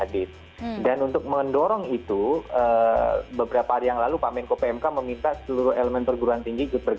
dan untuk mendorong itu beberapa hari yang lalu pak menko pmk meminta seluruh elemen perguruan tinggi bergerak